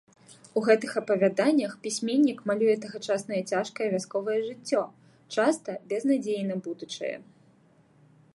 У гэтых апавяданнях пісьменнік малюе тагачаснае цяжкае вясковае жыццё, часта без надзеі на будучае.